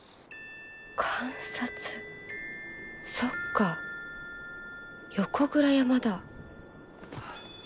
そっか横倉山だ。